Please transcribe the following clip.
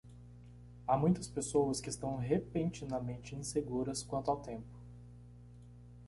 Há muitas pessoas que estão repentinamente inseguras quanto ao tempo.